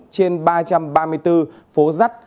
bốn trên ba trăm ba mươi bốn phố rắt